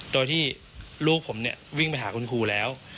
โดยที่ลูกผมเนี่ยวิ่งไปหาคุณครูแล้ว